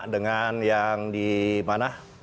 dengan yang di mana